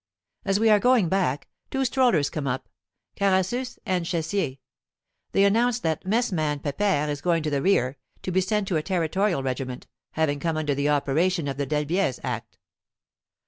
As we are going back, two strollers come up Carassus and Cheyssier. They announce that mess man Pepere is going to the rear, to be sent to a Territorial regiment, having come under the operation of the Dalbiez Act.